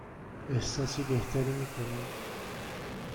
احساس بهتری می کنید؟